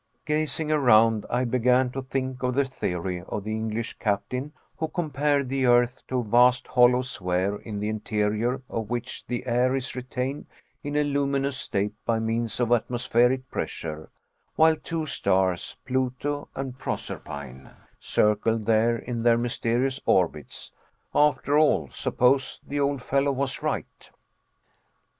Gazing around, I began to think of the theory of the English captain who compared the earth to a vast hollow sphere in the interior of which the air is retained in a luminous state by means of atmospheric pressure, while two stars, Pluto and Proserpine, circled there in their mysterious orbits. After all, suppose the old fellow was right!